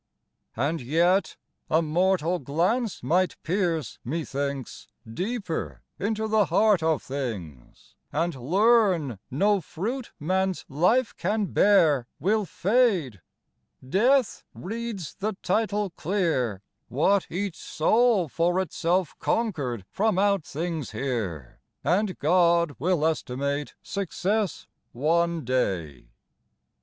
And yet, '*A mortal glance might pierce, methinks, Deeper into the heart of things, And learn, no fruit man's life can bear will fade." •' Death reads the title clear — What each soul for itself conquered from out things here " "And God will estimate success one day."